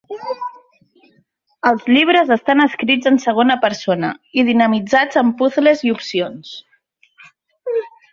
Els llibres estan escrits en segona persona i dinamitzats amb puzles i opcions.